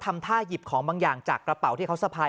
ทำท่าหยิบของบางอย่างจากกระเป๋าที่เขาสะพาย